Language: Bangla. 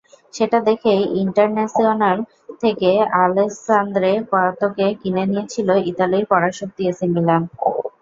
সেটা দেখেই ইন্টারন্যাসিওনাল থেকে আলেসান্দ্রে পাতোকে কিনে নিয়েছিল ইতালির পরাশক্তি এসি মিলান।